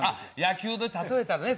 野球で例えたらね